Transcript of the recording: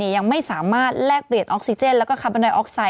ยังไม่สามารถแลกเปลี่ยนออกซิเจนแล้วก็คาร์บอนไดออกไซด